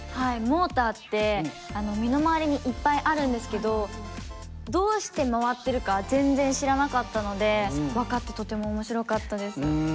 モーターって身の回りにいっぱいあるんですけどどうして回ってるか全然知らなかったので分かってとても面白かったです。